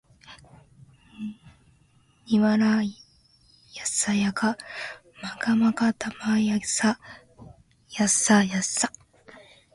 にはらやさやかまかまかたまやさやさやさ